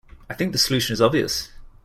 I think the solution is obvious.